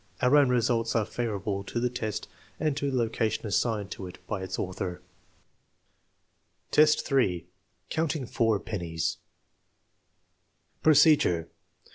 Our own results are favorable to the test and to the location assigned it by its author. IV, 3. Counting four pennies Procedure.